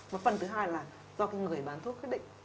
và phần thứ hai là do cái người bán thuốc quyết định